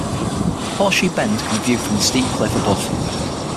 Horseshoe Bend can be viewed from the steep cliff above.